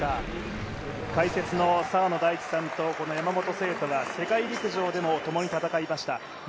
解説の澤野大地さんと山本聖途は世界陸上でも共に戦いました。